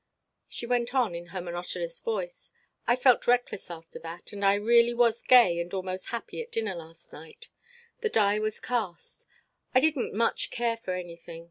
She went on in her monotonous voice. "I felt reckless after that and I really was gay and almost happy at dinner last night. The die was cast. I didn't much care for anything.